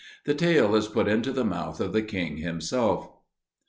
The tale is put into the mouth of the king himself.